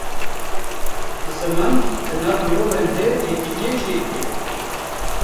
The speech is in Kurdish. Ziman, di nav mirovan de têkiliyê çê dike